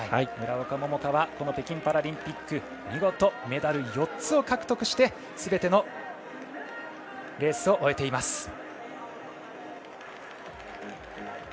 村岡桃佳はこの北京パラリンピックで見事メダル４つを獲得してすべてのレースを終えています。